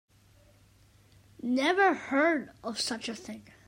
Never heard of such a thing.